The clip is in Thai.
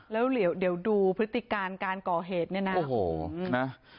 แล้วเดี๋ยวดูพฤติการการก่อเหตุเนี่ยนะโอ้โหนะ